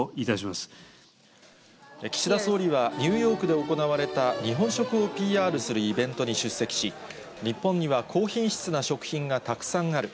ま岸田総理は、ニューヨークで行われた日本食をＰＲするイベントに出席し、日本には高品質な食品がたくさんある。